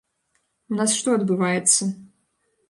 У нас што адбываецца?